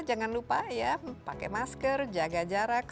jangan lupa ya pakai masker jaga jarak